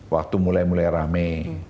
waktu mulai mulai rame